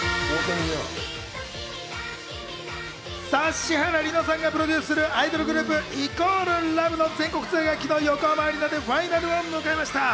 指原莉乃さんがプロデュースするアイドルグループ＝ＬＯＶＥの全国ツアーが昨日、横浜アリーナでファイナルを迎えました。